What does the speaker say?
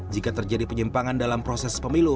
jika terjadi penyimpangan dalam proses pemilu